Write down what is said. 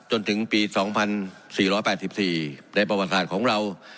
จนถึงปีสองพันสี่ร้อยแปดสิบสี่ในประวัติศาสตร์ของเรา